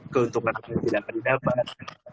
keuntungan yang tidak akan didapat